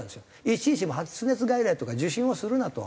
いちいち発熱外来とか受診をするなと。